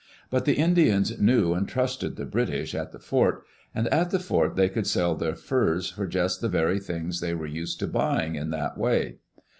But the Indians knew and trusted the British at the fort, and at the fort they could sell their furs for just the very things they were used to buying in that way.